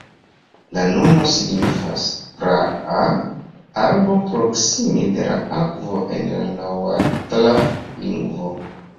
La nomo signifas "praa arbo proksime de la akvo" en la naŭatla lingvo.